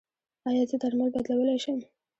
ایا زه درمل بدلولی شم؟